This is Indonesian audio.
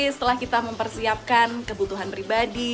setelah kita mempersiapkan kebutuhan pribadi